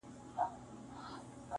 چا له دم چا له دوا د رنځ شفا سي,